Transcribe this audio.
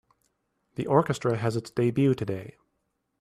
The orchestra has its debut today.